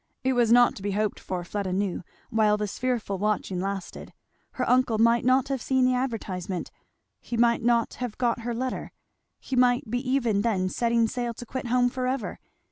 It was not to be hoped for, Fleda knew, while this fearful watching lasted. Her uncle might not have seen the advertisement he might not have got her letter he might be even then setting sail to quit home forever.